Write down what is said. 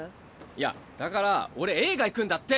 いやだから俺映画行くんだって。